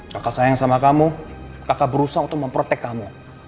kakak sayang sama kamu kakak berusaha untuk memprotek kamu